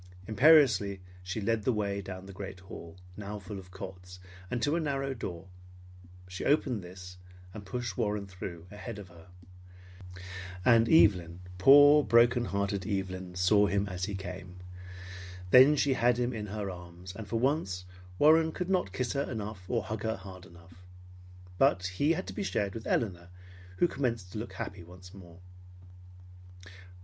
Imperiously she led the way down the great hall, now full of cots, and to a narrow door. She opened this and pushed Warren through ahead of her. And Evelyn, poor heart broken Evelyn, saw him as he came. Then she had him in her arms; and for once Warren could not kiss her enough or hug her hard enough. But he had to be shared with Elinor who commenced to look happy once more.